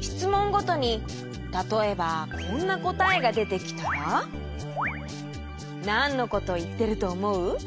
しつもんごとにたとえばこんなこたえがでてきたらなんのこといってるとおもう？